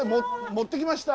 持ってきました。